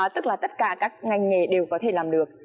tức là tất cả các ngành nghề đều có thể làm được